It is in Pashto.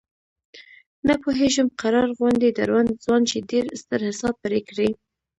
نه پوهېږم قرار غوندې دروند ځوان چې ډېر ستر حساب پرې کړی.